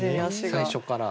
最初から。